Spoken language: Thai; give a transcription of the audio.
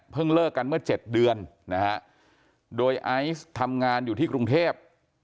เลิกกันเมื่อ๗เดือนนะฮะโดยไอซ์ทำงานอยู่ที่กรุงเทพ